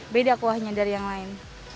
beda kuahnya dari yang lain